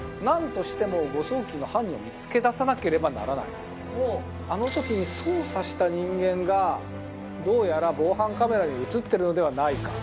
ここで堺さんからほうあの時に操作した人間がどうやら防犯カメラにうつっているのではないか？